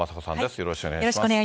よろしくお願いします。